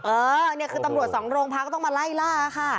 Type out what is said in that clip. เออนี่คือตำรวจสองโรงพักก็ต้องมาไล่ล่าค่ะ